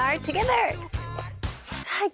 はい。